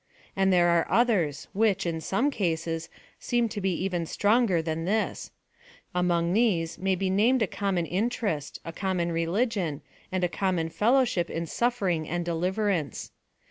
And there are otheis, which, in some cases, seem to be even stronger than this : among these may be named a common inter est ; a common religion ; and a common fellow ship in suffering and daliverance.